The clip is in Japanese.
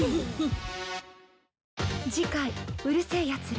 次回『うる星やつら』